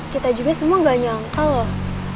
kita juga semua gak nyangka loh